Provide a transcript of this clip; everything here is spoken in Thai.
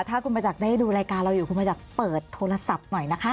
ถ้าคุณประจักษ์ได้ดูรายการเราอยู่คุณประจักษ์เปิดโทรศัพท์หน่อยนะคะ